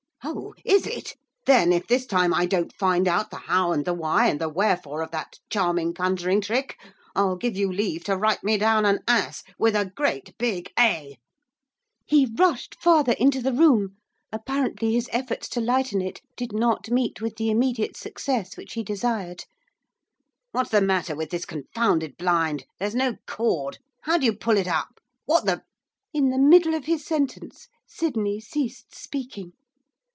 'Oh, is it! Then, if this time I don't find out the how and the why and the wherefore of that charming conjuring trick, I'll give you leave to write me down an ass, with a great, big A.' He rushed farther into the room, apparently his efforts to lighten it did not meet with the immediate success which he desired. 'What's the matter with this confounded blind? There's no cord! How do you pull it up? What the ' In the middle of his sentence Sydney ceased speaking.